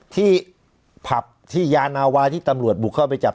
ที่ผับที่ยานาวาที่ตำรวจบุกเข้าไปจับ